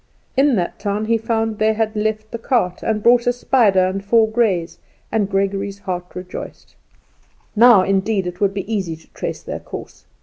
In that town he found they had left the cart, and bought a spider and four greys, and Gregory's heart rejoiced. Now indeed it would be easy to trace their course.